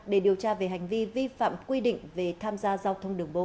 để điều tra về hành vi vi phạm quy định về tham gia giao thông đường bộ